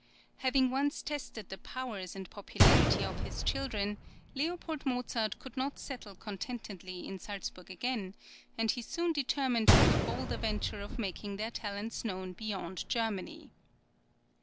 Having once tested the powers and popularity of his children, Leopold Mozart could not settle contentedly in Salzburg again, and he soon determined on the bolder venture of making their talents known beyond Germany.